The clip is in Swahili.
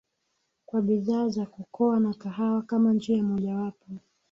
kwa bidhaa za cocoa na kahawa kama njia mojawapo